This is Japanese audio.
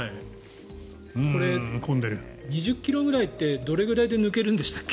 これ２０ｋｍぐらいってどれぐらいで抜けるんでしたっけ？